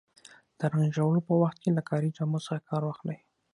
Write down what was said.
د رنګ جوړولو په وخت کې له کاري جامو څخه کار واخلئ.